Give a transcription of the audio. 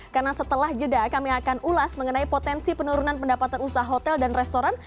karena setelah jeda kami akan ulas mengenai potensi penurunan pendapatan usaha hotel dan restoran